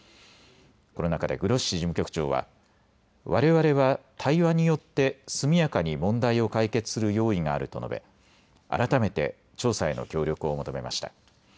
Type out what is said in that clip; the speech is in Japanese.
この中でグロッシ事務局長はわれわれは対話によって速やかに問題を解決する用意があると述べ改めて調査への協力を求めました。